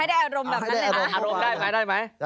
ีอารมณ์แบบนั้นได้ไหม